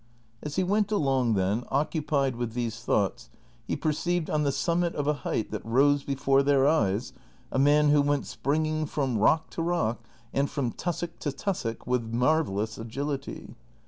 As he went along, then, occupied with these thoughts, he perceived on the summit of a height that rose before their eyes a man Avho went springing from rock to rock and from tussock to tussock with marvellous agility.